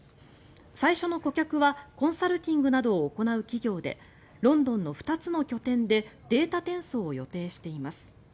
最初の顧客はコンサルティングなどを行う企業でロンドンの２つの拠点でデータ転送を予定しています。